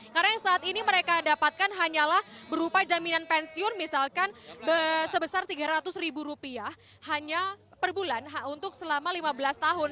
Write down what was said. karena yang saat ini mereka dapatkan hanyalah berupa jaminan pensiun misalkan sebesar tiga ratus ribu rupiah hanya per bulan untuk selama lima belas tahun